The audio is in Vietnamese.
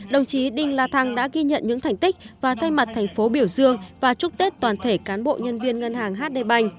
đồng chí đinh la thăng đã ghi nhận những thành tích và thay mặt thành phố biểu dương và chúc tết toàn thể cán bộ nhân viên ngân hàng hd bành